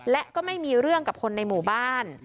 และก็ไม่มีเรื่องกับคนในหมู่บ้าน